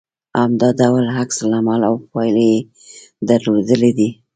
همدا ډول عکس العمل او پايلې يې درلودلې دي